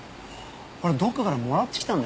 これどこかからもらってきたんだよ。